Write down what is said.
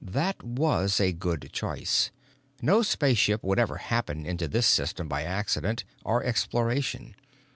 That was a good choice; no spaceship would ever happen into this system by accident or exploration.